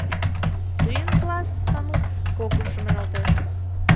— Тыйын класс, Сану, кокымшо маналтеш.